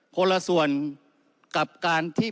คนละส่วนกับการที่พิจารณา